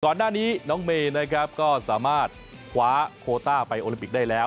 ก่อนหน้านี้น้องเมย์นะครับก็สามารถคว้าโคต้าไปโอลิมปิกได้แล้ว